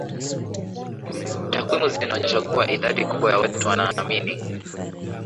takwimu zinaonyesha kuwa idadi kubwa ya watu wanaamini